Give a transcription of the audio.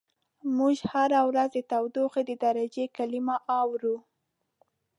موږ هره ورځ د تودوخې د درجې کلمه اورو.